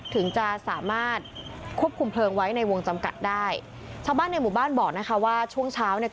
ถึงจะสามารถควบคุมเพลิงไว้ในวงจำกัดได้ชาวบ้านในหมู่บ้านบอกนะคะว่าช่วงเช้าเนี่ย